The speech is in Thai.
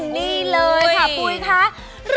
นี่เลยค่ะปุ๋ยค่ะ